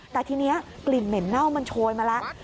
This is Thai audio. แต่ทีนี้กลิ่นเหม็นเน่ามันโชยมาแล้ว